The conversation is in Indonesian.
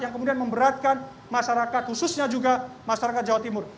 yang kemudian memberatkan masyarakat khususnya juga masyarakat jawa timur